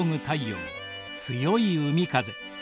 太陽強い海風。